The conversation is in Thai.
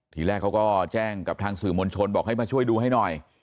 ทีแรกเขาก็แจ้งกับทางสื่อมวลชนบอกให้มาช่วยดูให้หน่อย